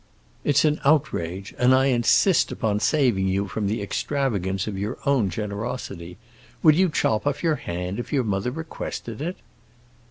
It's an outrage, and I insist upon saving you from the extravagance of your own generosity. Would you chop off your hand if your mother requested it?"